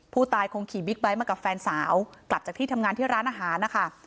ผู้ตายคงขี่บิ๊กไบท์มากับแฟนสาวกลับจากที่ทำงานที่ร้านอาหารนะคะ